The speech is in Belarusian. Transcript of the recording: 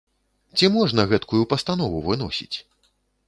Ці можна гэткую пастанову выносіць?